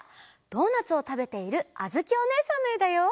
ドーナツをたべているあづきおねえさんのえだよ！